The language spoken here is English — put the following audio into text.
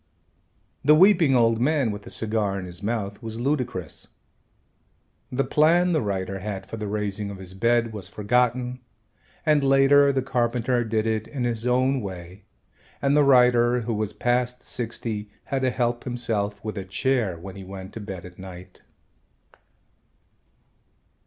The weeping old man with the cigar in his mouth was ludicrous. The plan the writer had for the raising of his bed was forgotten and later the carpenter did it in his own way and the writer, who was past sixty, had to help himself with a chair when he went to bed at night.